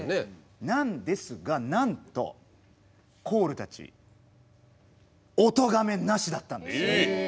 なんですがなんとコールたちおとがめなしだったんです。えっ！？